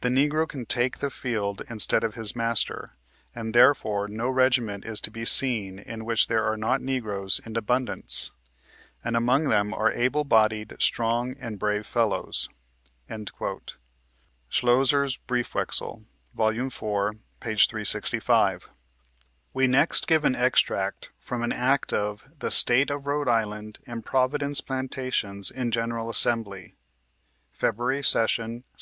The Negro can lake the field, instead of his master ; and, therefore, no regiment is to he seen in which there are not Negroes in abundance ; and among them are able bodied, strong and brave fellows." — Schloezer's Briefwechsel, vol. iv., p. 365. We next give an extract from an act of the " State of Rhode Island and Providence Plantations, in General Assembly. February Session, 1778.